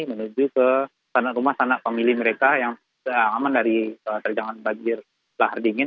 menuju ke sana rumah sanak pemilih mereka yang aman dari terjangan banjir lahar dingin